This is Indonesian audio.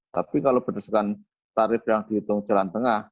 tapi kalau berdasarkan tarif yang dihitung jalan tengah